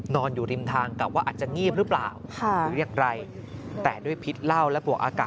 นอนอยู่ริมทางกลับว่า